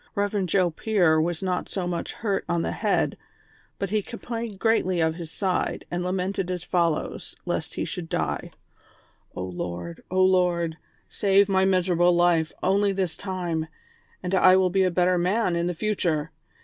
Eev. Joe Pier was not so much hurt on the head, but he complained greatly of his side, and lamented as follows, lest he should die :" O Lord ! O Lord ! save my miserable life only this time, and I will be a better man in the future